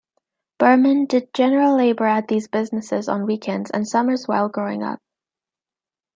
Berman did general labor at these businesses on weekends and summers while growing up.